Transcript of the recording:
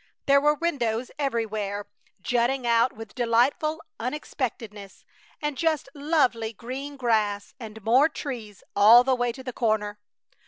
There were windows everywhere jutting out with delightful unexpectedness, and just lovely green grass and more trees all the way to the corner!